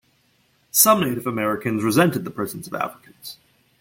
Some Native Americans resented the presence of Africans.